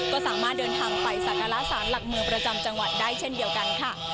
ก็สามารถเดินทางไปสักการะสารหลักเมืองประจำจังหวัดได้เช่นเดียวกันค่ะ